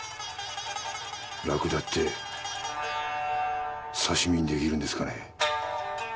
らくだって刺身にできるんですかね。